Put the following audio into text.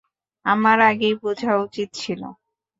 আমার আগেই বুঝা উচিত ছিল।